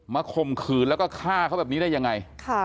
ข่มขืนแล้วก็ฆ่าเขาแบบนี้ได้ยังไง